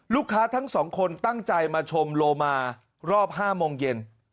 ทั้งสองคนตั้งใจมาชมโลมารอบ๕โมงเย็น